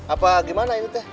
apa gimana ini teteh